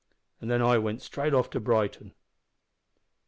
An' then I went straight off to Brighton."